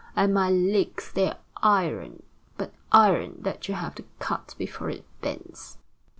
And my legs, they're iron, but iron that you have to cut before it bends."